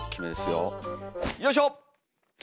よいしょ！